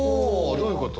どういうこと？